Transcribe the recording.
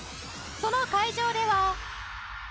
その会場では